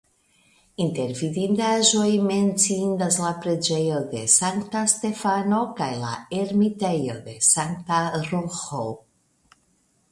Inter vidindaĵoj menciindas la preĝejo de Sankta Stefano kaj la ermitejo de Sankta Roĥo.